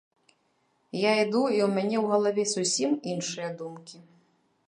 Я іду і ў мяне ў галаве зусім іншыя думкі.